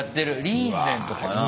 リーゼントかな？